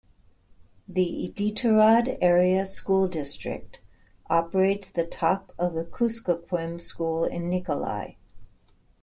The Iditarod Area School District operates the Top of the Kuskokwim School in Nikolai.